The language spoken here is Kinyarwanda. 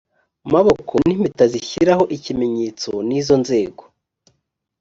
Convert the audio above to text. maboko n impeta zishyiraho ikimenyetso n izo nzego